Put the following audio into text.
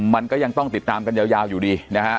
มันก็ยังต้องติดตามกันยาวอยู่ดีนะฮะ